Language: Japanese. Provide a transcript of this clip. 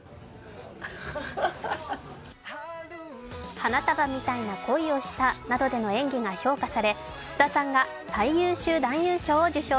「花束みたいな恋をした」などでの演技が評価され菅田さんが最優秀男優賞を受賞。